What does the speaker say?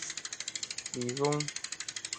他的玄孙赵昀是宋理宗。